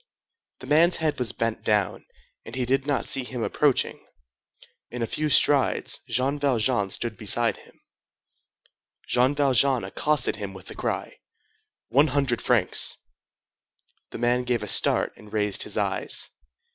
The man's head was bent down, and he did not see him approaching. In a few strides Jean Valjean stood beside him. Jean Valjean accosted him with the cry:— "One hundred francs!" The man gave a start and raised his eyes.